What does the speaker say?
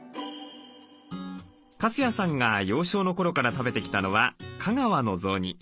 粕谷さんが幼少の頃から食べてきたのは香川の雑煮。